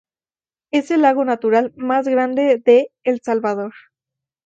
Es el lago natural más grande de El Salvador.